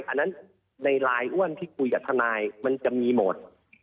อันนั้นในไลน์อ้วนที่คุยกับทนายมันจะมีหมด